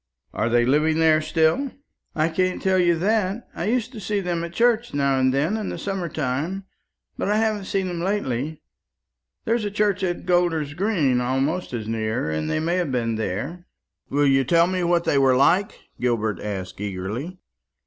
"Are they living there still?" "I can't tell you that. I used to see them at church now and then in the summer time; but I haven't seen them lately. There's a church at Golder's green almost as near, and they may have been there." "Will you tell me what they were like?" Gilbert asked eagerly.